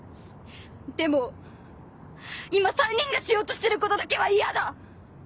でも今３人がしようとしてることだけは嫌だ！